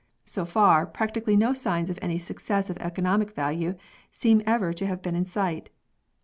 So far, practically no signs of any success of economic value seem ever to have been in sight.